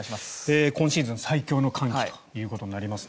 今シーズン最強の寒気ということになりますね。